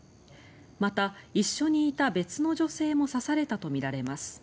また、一緒にいた別の女性も刺されたとみられます。